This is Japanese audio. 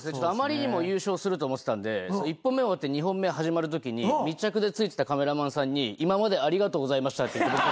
あまりにも優勝すると思ってたんで１本目終わって２本目始まるときに密着でついてたカメラマンさんに今までありがとうございましたって。